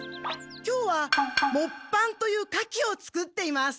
今日はもっぱんという火器を作っています。